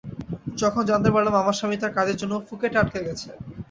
যখন জানতে পারলাম, আমার স্বামী তাঁর কাজের জন্য ফুকেটে আটকে গেছে।